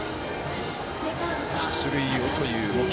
出塁をという動き。